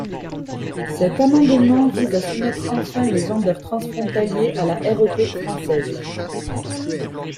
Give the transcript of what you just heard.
Cet amendement vise à soumettre enfin les vendeurs transfrontaliers à la REP française.